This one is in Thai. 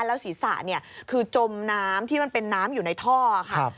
แล้วศีรษะคือจมน้ำที่มันเป็นน้ำอยู่ในท่อค่ะ